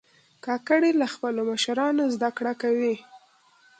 کاکړي له خپلو مشرانو زده کړه کوي.